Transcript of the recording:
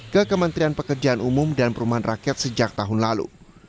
ke kementerian pekerjaan umum dan perumahan rakyat sejak tahun lalu